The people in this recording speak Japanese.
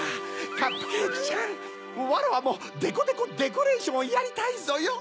カップケーキちゃんわらわもデコデコデコレーションをやりたいぞよ。